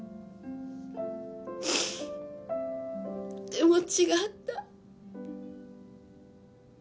でも違った。